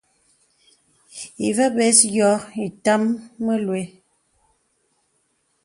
Ìvə bə̀s yɔ̄ɔ̄ ìtàm məluə̀.